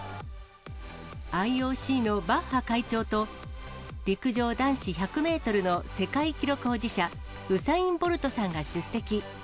ＩＯＣのバッハ会長と、陸上男子１００メートルの世界記録保持者、ウサイン・ボルトさんが出席。